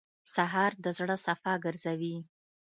سهار د زړه صفا ګرځوي.